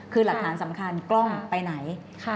คือหลักฐานสำคัญกล้องไปไหน